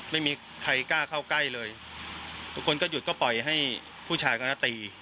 ไม่มีใครกล้าเข้าใกล้เลยทุกคนก็หยุดก็ปล่อยให้ผู้ชายคนนั้นตี